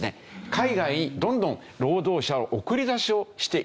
海外にどんどん労働者の送り出しをしているんですよ。